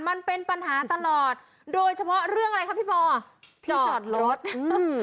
มันเป็นปัญหาตลอดโดยเฉพาะเรื่องอะไรครับพี่ปอจอดรถอืม